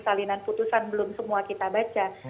salinan putusan belum semua kita baca